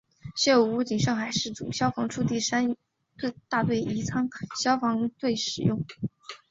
现为武警上海市总队消防处第三大队宜昌路消防队使用。